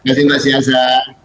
terima kasih mas yasa